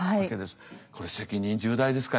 これ責任重大ですか？